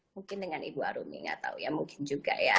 mungkin dengan ibu aruni gak tau ya mungkin juga ya